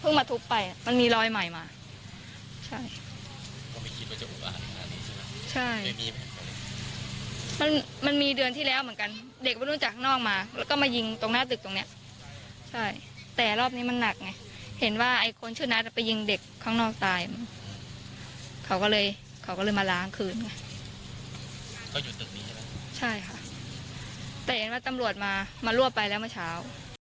ก็อยู่ตึกนี้แหละใช่ค่ะแต่เห็นว่าตำรวจมามารวบไปแล้วเมื่อเช้า